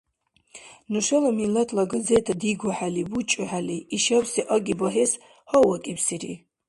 Нушала миллатла газета дигухӀели, бучӀухӀели, ишабси аги багьес гьаввакӀибсири.